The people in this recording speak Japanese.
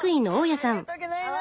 あありがとうギョざいます。